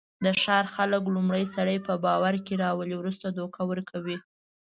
د ښار خلک لومړی سړی په باورکې راولي، ورسته دوکه ورکوي.